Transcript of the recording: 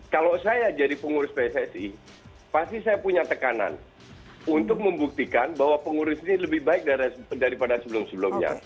kalau saya jadi pengurus pssi pasti saya punya tekanan untuk membuktikan bahwa pengurus ini lebih baik daripada sebelum sebelumnya